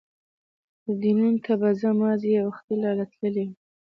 پورډېنون ته به ځم، مازې یې وختي لا تللي و.